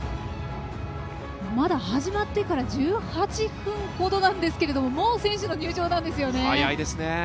まだ始まってから１８分ほどなんですけれどももう選手の入場なんですよね。